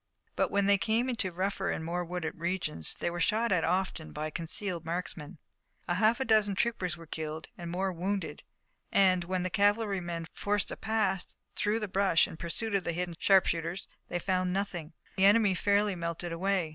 But when they came into rougher and more wooded regions they were shot at often by concealed marksmen. A half dozen troopers were killed and more wounded, and, when the cavalrymen forced a path through the brush in pursuit of the hidden sharpshooters, they found nothing. The enemy fairly melted away.